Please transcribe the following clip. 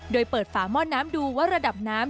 โดยเปิดฝาหม้อน้ำดูว่าระดับน้ำ